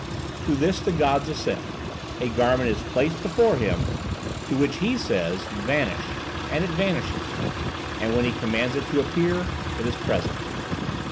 To this the gods assent: a garment is placed before him, to which he says "Vanish," and it vanishes, and when he commands it to appear, it is present.